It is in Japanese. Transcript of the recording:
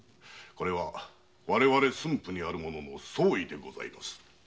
これは我々駿府にある者の総意でございます。